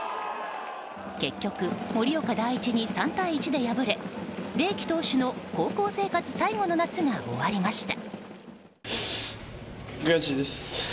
結局、盛岡第一に３対１で敗れ怜希投手の高校生活最後の夏が終わりました。